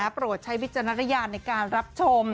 โปรดใช้วิจารณญาณในการรับชม